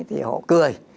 thì họ cười